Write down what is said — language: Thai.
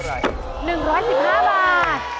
อะไรโอ้โฮ๑๑๕บาท